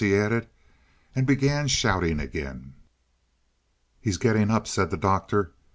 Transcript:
he added, and began shouting again. "He's getting up," said the Doctor.